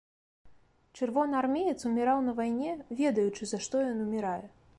Чырвонаармеец уміраў на вайне, ведаючы, за што ён умірае.